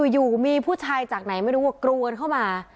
อยู่มีผู้ชายจากไหนไม่รู้ว่ากรวนเข้ามา